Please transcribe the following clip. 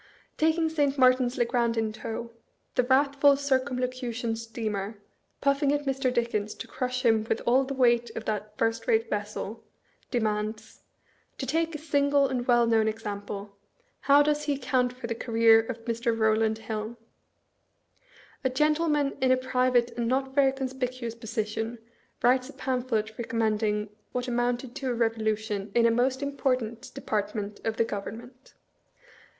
Taking St. Martins le grand in tow, the wrathful Circumlocution steamer, puffing at Mr. Dickens to crush him with all the weight of that first rate vessel, de mands, " To take a sragle and well known example, how does he account for the career of Mr. Eowlajstd Hill? A gen tleman in a private and not very conspicuous position writes a pamphlet recommending what amounted to a revolution in a most important department of the Government.